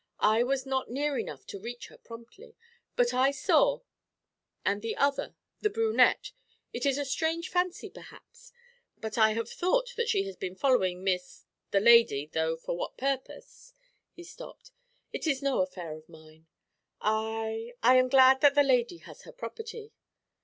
I was not near enough to reach her promptly; but I saw and the other the brunette, it is a strange fancy, perhaps, but I have thought that she had been following Miss the lady, though for what purpose ' He stopped. 'It is no affair of mine. I I am glad that the lady has her property.'